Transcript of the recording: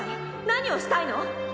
何をしたいの？